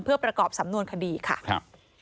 เพื่อประกอบสำนวนคดีค่ะครับ